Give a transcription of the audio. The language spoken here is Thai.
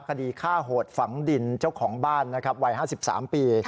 คดีฆ่าโหดฝังดินเจ้าของบ้านนะครับวัย๕๓ปี